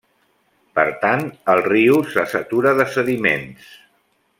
Per tant, el riu se satura de sediments.